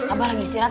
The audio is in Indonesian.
abah lagi istirahat